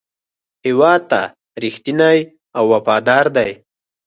هېواد ته رښتینی او وفادار دی.